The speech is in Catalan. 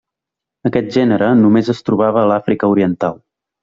Aquest gènere només es trobava a l'Àfrica oriental.